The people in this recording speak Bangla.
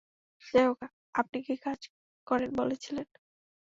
যাইহোক, আপনি কী কাজ করেন বলেছিলেন?